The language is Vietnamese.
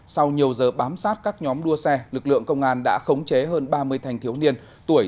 sau nhiều giờ bám sát các nhóm đua xe lực lượng công an đã khống chế hơn ba mươi thanh thiếu niên tuổi